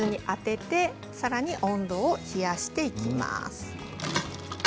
さらに温度冷やしていきます。